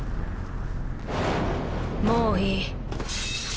もういい。